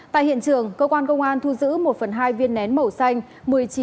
tại hiện trường cơ quan công an thu giữ một phần hai viên nén màu xanh